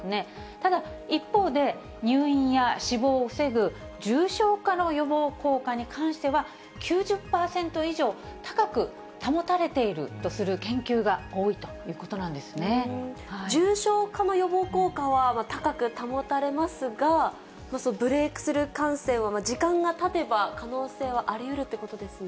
ただ一方で、入院や死亡を防ぐ重症化の予防効果に関しては、９０％以上高く保たれているとする研究が多いということなんです重症化の予防効果は高く保たれますが、ブレークスルー感染は、時間がたてば、可能性はありうるということですね。